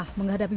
hmm maaf ya pak